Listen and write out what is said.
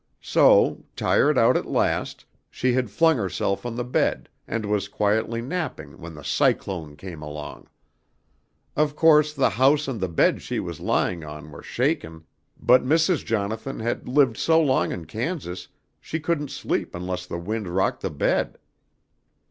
"So, tired out at last, she had flung herself on the bed and was quietly napping when the cyclone came along. "Of course, the house and the bed she was lying on were shaken, but Mrs. Jonathan had lived so long in Kansas she couldn't sleep unless the wind rocked the bed.